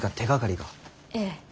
ええ。